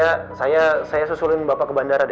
atau gini aja saya susulin bapak ke bandara deh